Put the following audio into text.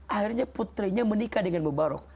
akhirnya putrinya menikah dengan mubarok